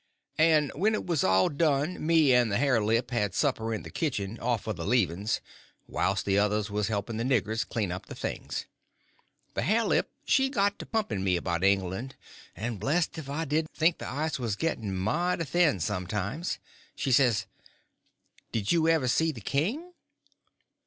And when it was all done me and the hare lip had supper in the kitchen off of the leavings, whilst the others was helping the niggers clean up the things. The hare lip she got to pumping me about England, and blest if I didn't think the ice was getting mighty thin sometimes. She says: "Did you ever see the king?"